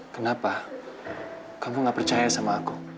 kenapa kamu gak percaya sama aku